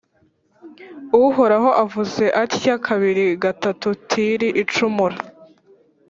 Uhoraho avuze atya Kabiri gatatu Tiri icumura !